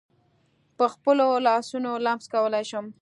په خپلو لاسونو لمس کولای شم.